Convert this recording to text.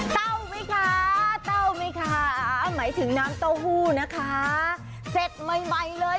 เต้าไหมคะเต้าไหมคะหมายถึงน้ำเต้าหู้นะคะเสร็จใหม่ใหม่เลย